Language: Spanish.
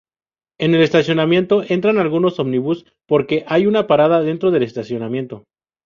En el estacionamiento entran algunos ómnibus porque hay una parada dentro del estacionamiento.